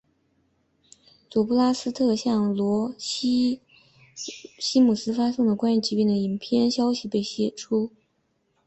佐布拉斯特向西姆斯发送的关于病毒的影片消息被泄出。